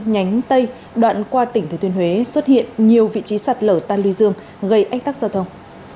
nhánh tây đoạn qua tỉnh thời thuyền huế xuất hiện nhiều vị trí sạt lở tan lươi dương gây ách tắc giao thông